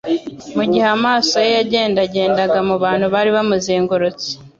Mu gihe amaso ye yagendagendaga mu bantu bari bamuzengurutse,